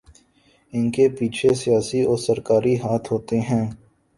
انکے پیچھے سیاسی و سرکاری ہاتھ ہوتے ہیں